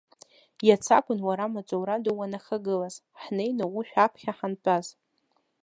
Иац акәын уара амаҵура ду уанахагылаз, ҳнеины ушә аԥхьа ҳантәаз.